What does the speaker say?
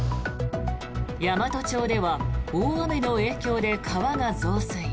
山都町では大雨の影響で川が増水。